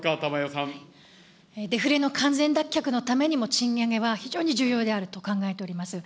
デフレの完全脱却のためにも、賃上げは非常に重要であると考えております。